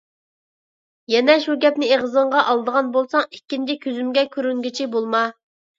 يەنە شۇ گەپنى ئېغىزىڭغا ئالىدىغان بولساڭ، ئىككىنچى كۆزۈمگە كۆرۈنگۈچى بولما!